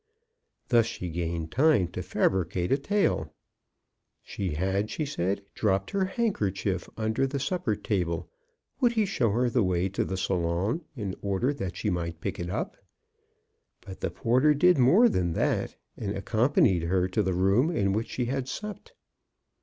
Thus she gained time to fabricate a tale. She had, she said, dropped her handkerchief under the supper table; would he show her the way to the salon, in order that she might pick it up? But the porter did more than that, and accom panied her to the room in which she had supped.